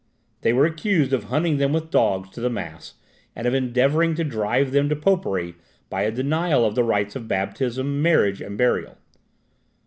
They were accused of hunting them with dogs to the mass, and of endeavouring to drive them to popery by a denial of the rites of baptism, marriage, and burial.